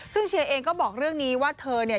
ซึ่งเชียร์เองก็บอกเรื่องนี้ว่าเธอเนี่ย